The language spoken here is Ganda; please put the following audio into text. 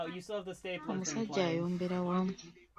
Omusajja oyoabeera wa?